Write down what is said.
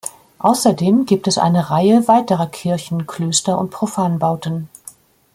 Außerdem gibt es eine Reihe weiterer Kirchen, Klöster und Profanbauten.